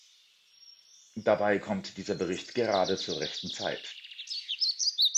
Dabei kommt dieser Bericht gerade zur rechten Zeit.